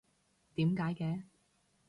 點解嘅？